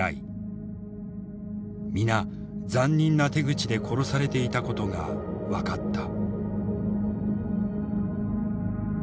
皆残忍な手口で殺されていたことが分かった。